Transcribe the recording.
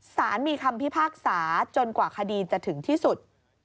สารมีคำพิพากษาจนกว่าคดีจะถึงที่สุด